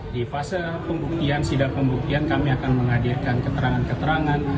di fase pembuktian sidang pembuktian kami akan menghadirkan keterangan keterangan